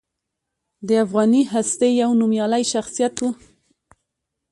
د افغاني هستې یو نومیالی شخصیت و.